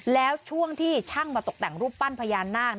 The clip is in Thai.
แล้วช่วงที่ช่างมาตกแต่งรูปปั้นพญานาค